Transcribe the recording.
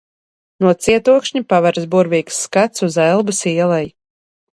No cietokšņa paveras burvīgs skats uz Elbas ieleju.